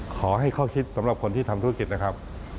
ขอให้ข้อคิดสำหรับคนที่ทำธุรกิจนะครับ